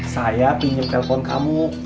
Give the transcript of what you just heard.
saya pinjam telpon kamu